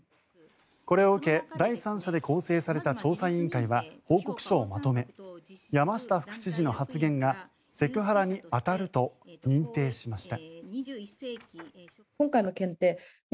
これを受け第三者で構成された調査委員会は報告書をまとめ山下副知事の発言がセクハラに当たると認定しました。